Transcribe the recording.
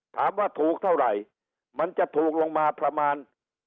ถามว่าถูกเท่าไหร่มันจะถูกลงมาประมาณ